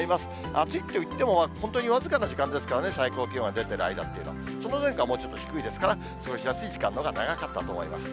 暑いといっても、本当に僅かな時間ですからね、最高気温は出てる間というのは、その変化、ちょっと過ごしやすい時間のほうが長かったと思います。